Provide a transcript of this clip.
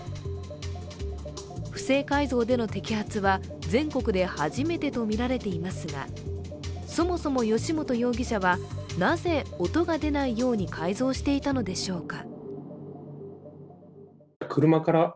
不正改造での摘発は全国で初めてとみられていますがそもそも由元容疑者はなぜ音が出ないように改造していたのでしょうか。